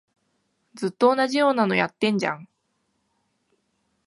ずっと同じようなのやってんじゃん